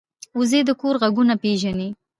وزې د کور غږونه پېژني